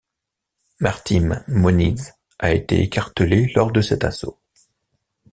Martim Moniz a été écartelé lors de cet assaut.